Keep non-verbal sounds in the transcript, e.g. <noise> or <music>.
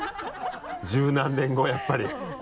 十何年後やっぱり <laughs>